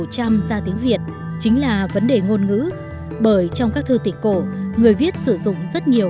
trăm ra tiếng việt chính là vấn đề ngôn ngữ bởi trong các thư tịch cổ người viết sử dụng rất nhiều